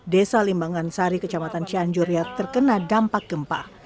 desa limbangan sari kecamatan cianjur yang terkena dampak gempa